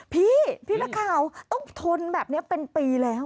พี่พี่นักข่าวต้องทนแบบนี้เป็นปีแล้ว